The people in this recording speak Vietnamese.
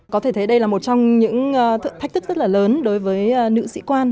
có thể thấy đây là một trong những thách thức rất là lớn đối với nữ sĩ quan